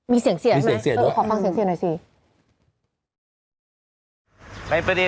มีเสียงเสียงไหมเออขอฟังเสียงเสียงหน่อยสิ